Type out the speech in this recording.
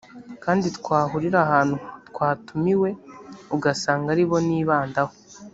kandi twahurira ahantu twatumiwe ugasanga ari bo nibandaho